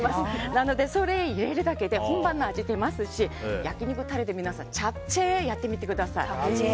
なのでそれを入れるだけで本場の味が出ますし焼き肉のタレでチャプチェやってみてください。